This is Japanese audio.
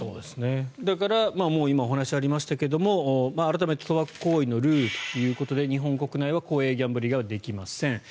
だから今、お話がありましたが改めて賭博行為のルールということで日本国内では公営ギャンブルができません。